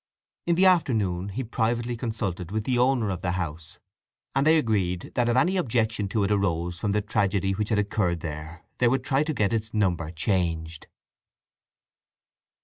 In the afternoon he privately consulted with the owner of the house, and they agreed that if any objection to it arose from the tragedy which had occurred there they would try to get its number changed.